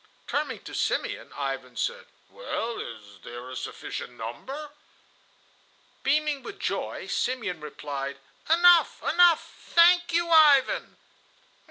Turning to Simeon Ivan said, "Well, is there a sufficient number?" Beaming with joy, Simeon replied: "Enough! enough! Thank you, Ivan!"